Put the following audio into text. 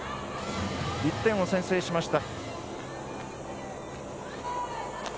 １点を先制しました。